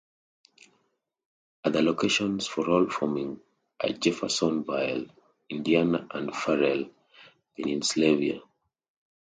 Other locations for Roll Forming are Jeffersonville, Indiana and Farrell, Pennsylvania.